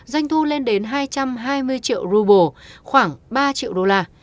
doanh thu lên đến hai trăm hai mươi triệu google khoảng ba triệu đô la